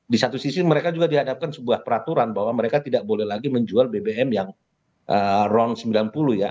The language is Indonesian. di satu sisi mereka juga dihadapkan sebuah peraturan bahwa mereka tidak boleh lagi menjual bbm yang ron sembilan puluh ya